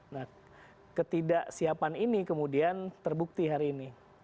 nah ketidaksiapan ini kemudian terbukti hari ini